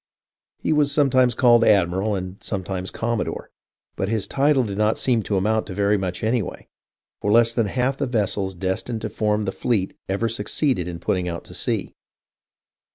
He was sometimes called "admiral " and sometimes "commodore," but his title did not seem to amount to very much, anyway, for less than half the vessels destined to form the fleet ever succeeded in putting out to sea.